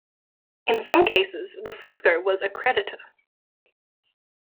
In some cases the Frisco was a creditor.